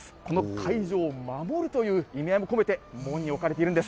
この会場を守るという意味合いも込めて、門に置かれているんです。